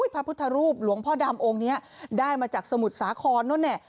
พระพุทธรูปหลวงพ่อดำองค์นี้ได้มาจากสมุดสาขอนนั้น